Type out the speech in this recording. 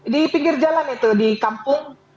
di pinggir jalan itu di kampung